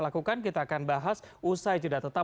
lakukan kita akan bahas usai jeda tetap